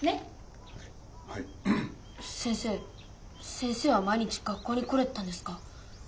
先生は毎日学校に来れてたんですか？